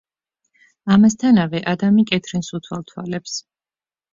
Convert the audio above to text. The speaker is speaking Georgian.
ამასთანავე ადამი კეთრინს უთვალთვალებს.